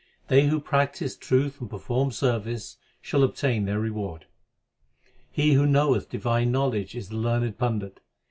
They who practise truth and perform service shall obtain their reward. N. He who knoweth divine knowledge is the learned pandit.